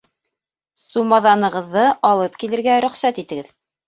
Сумаҙанығыҙҙы алып килергә рөхсәт итегеҙ.